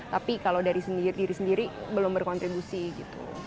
tapi kalau dari diri sendiri belum berkontribusi gitu